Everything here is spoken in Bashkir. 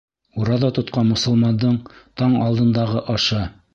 Ураҙа тотҡан мосолмандың таң алдындағы ашы.